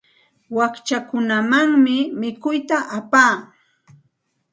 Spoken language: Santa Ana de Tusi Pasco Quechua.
Wakchakunamanmi mikuyta apaa.